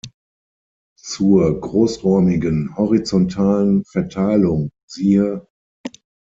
Zur großräumigen horizontalen Verteilung siehe.